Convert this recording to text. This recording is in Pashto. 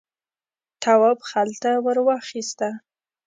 تواب خلته ور واخیسته.